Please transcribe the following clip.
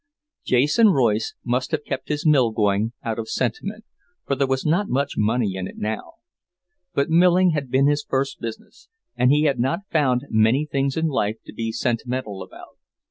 Jason Royce must have kept his mill going out of sentiment, for there was not much money in it now. But milling had been his first business, and he had not found many things in life to be sentimental about.